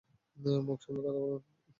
মুখ সামলে কথা বলুন!